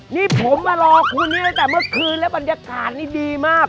นี่ผมมารอคุณนี่ตั้งแต่เมื่อคืนแล้วบรรยากาศนี่ดีมาก